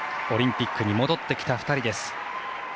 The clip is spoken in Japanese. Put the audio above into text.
オリンピックに戻ってきた２人です。